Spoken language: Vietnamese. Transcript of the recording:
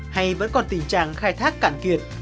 hay vẫn còn tình trạng khai thác cạn kiệt